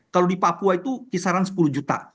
kalau di papua itu kisaran sepuluh juta